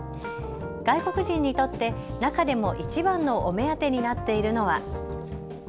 外国人にとって中でもいちばんのお目当てになっているのは。